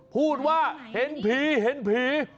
พูดว่าเห็นผีเห็นผี